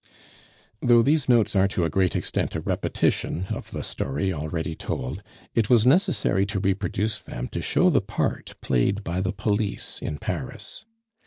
Though these notes are to a great extent a repetition of the story already told, it was necessary to reproduce them to show the part played by the police in Paris.